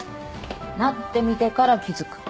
なってみてから気付く。